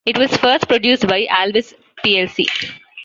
It was first produced by Alvis plc.